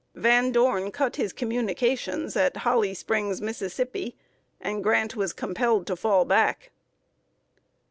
Van Dorn cut his communications at Holly Springs, Mississippi, and Grant was compelled to fall back.